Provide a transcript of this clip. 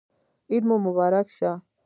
عید مو مبارک شه